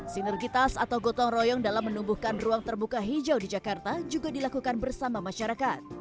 sinergitas atau gotong royong dalam menumbuhkan ruang terbuka hijau di jakarta juga dilakukan bersama masyarakat